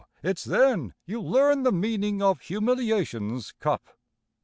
it's then you learn the meaning of humiliation's cup.